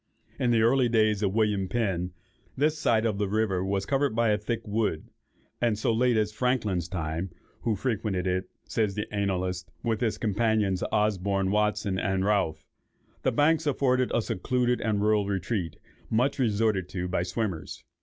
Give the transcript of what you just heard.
In the early days of William Penn, this side of the river was covered by a thick wood; and so late as Franklin's time, (who "frequented it," says the annalist, "with his companions, Osborne, Watson, and Ralph,") the banks afforded a secluded and rural retreat, much resorted to by swimmers.